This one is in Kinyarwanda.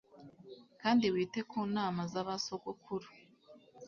kandi wite ku nama z'abasogokuru